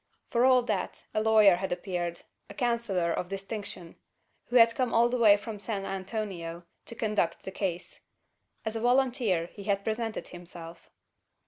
For all that, a lawyer had appeared: a "counsellor" of distinction; who had come all the way from San Antonio, to conduct the case. As a volunteer he had presented himself!